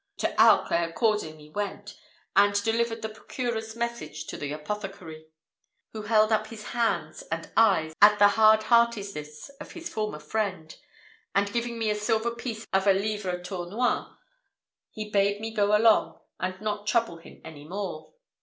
To Auch I accordingly went, and delivered the procureur's message to the apothecary, who held up his hands and eyes at the hard heartedness of his former friend, and giving me a silver piece of a livre tournois, he bade me go along, and not trouble him any more.